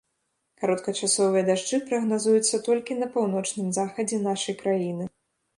Кароткачасовыя дажджы прагназуюцца толькі на паўночным захадзе нашай краіны.